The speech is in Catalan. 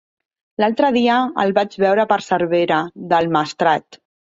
L'altre dia el vaig veure per Cervera del Maestrat.